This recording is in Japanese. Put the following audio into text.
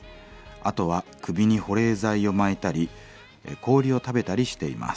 あとは首に保冷剤を巻いたり氷を食べたりしています。